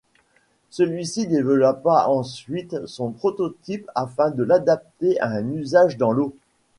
Celui-ci développa ensuite son prototype afin de l'adapter à un usage dans l'eau.